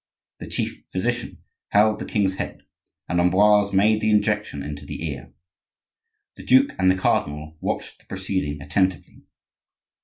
The chief physician held the king's head, and Ambroise made the injection into the ear. The duke and the cardinal watched the proceeding attentively.